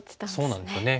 そうなんですよね。